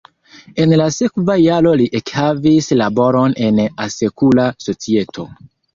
En la sekva jaro li ekhavis laboron en asekura societo.